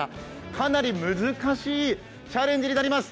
かなり難しいチャレンジになります。